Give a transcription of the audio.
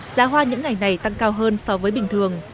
giá hoa những ngày này tăng cao hơn so với bình thường